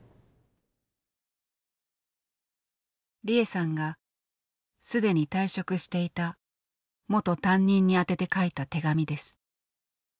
利枝さんが既に退職していた元担任に宛てて書いた手紙です。